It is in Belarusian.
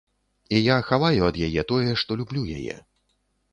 І я хаваю ад яе тое, што люблю яе.